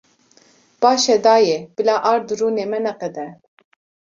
Baş e dayê, bila ard û rûnê me neqede.